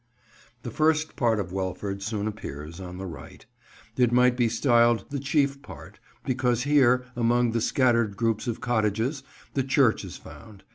The first part of Welford soon appears, on the right. It might be styled the chief part, because here, among the scattered groups of cottages, the church is found.